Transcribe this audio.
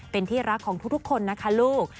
เป็นที่รักของทุกคนนะคะลูก